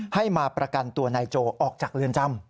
ให้มาประกันตัวนายโจออกจากเรือนจำ